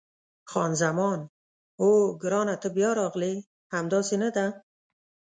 خان زمان: اوه، ګرانه ته بیا راغلې! همداسې نه ده؟